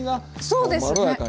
そうですね。